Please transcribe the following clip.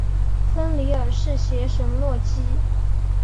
芬里尔是邪神洛基。